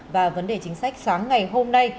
và vấn đề chính sách sáng ngày hôm nay